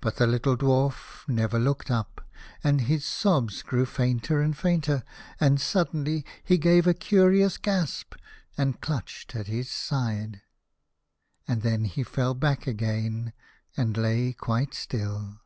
But the little Dwarf never looked up, and his sobs grew fainter and fainter, and suddenly he gave a curious gasp, and clutched his side. And then he fell back again, and lay quite still.